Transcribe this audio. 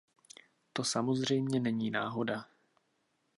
To samozřejmě není náhoda.